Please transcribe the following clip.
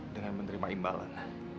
dengan menerima imbalan